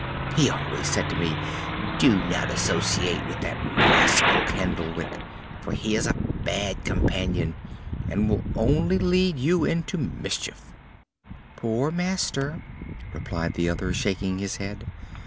He always said to me: 'Do not associate with that rascal Candlewick, for he is a bad companion, and will only lead you into mischief!'" "Poor master!" replied the other, shaking his head.